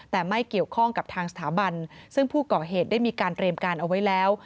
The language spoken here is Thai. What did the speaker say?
แต่ไม่เกี่ยวข้องกับทางสถาบันซึ่งผู้ก่อเหตุได้มีการเตรียมการเอาไว้แล้ว